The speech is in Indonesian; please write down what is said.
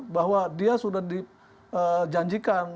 bahwa dia sudah dijanjikan